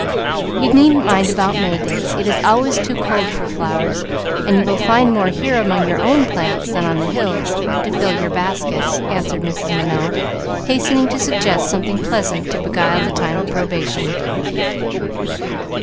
You needn't mind about May day; it is always too cold for flowers, and you will find more here among your own plants, than on the hills, to fill your baskets," answered Mrs. Minot, hastening to suggest something pleasant to beguile the time of probation.